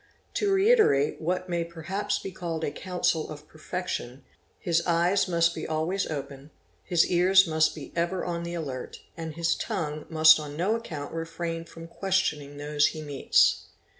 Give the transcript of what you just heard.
To reiterate what may perhaps be called a counsel of perfection, his eyes must be j always open, his ears must be ever on the alert, and his tongue must on no account refrain from questioning those he meets.